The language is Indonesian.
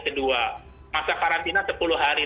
tentunya kita sekarang mengacu kepada muak sasa